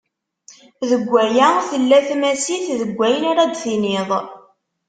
Deg waya tella tmasit deg wayen ara d-tiniḍ.